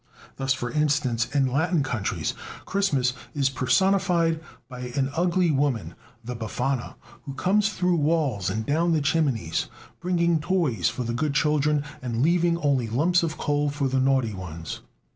Thus, for instance, in Latin countries, Christmas is personified by an ugly woman, the Befana, who comes through the walls and down the chimneys, bringing toys for the good children, and leaving only lumps of coal for the naughty ones.